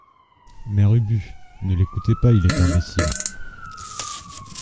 Mère Ubu Ne l’écoutez pas, il est imbécile.